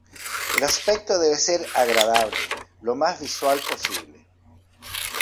El aspecto debe ser agradable, lo más visual posible.